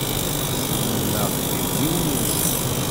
Sru neɣ qqim, yiwen-nsen.